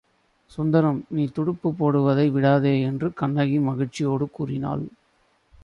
சுந்தரம், நீ துடுப்புப் போடுவதை விடாதே என்று கண்ணகி மகிழ்ச்சியோடு கூறினாள்.